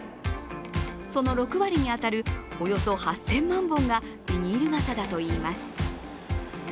その６割に当たる、およそ８０００万本がビニール傘だといいます。